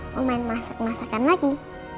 mau main masak masakan lagi